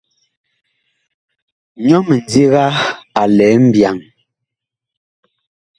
Nyɔ mindiga a lɛ mbyaŋ.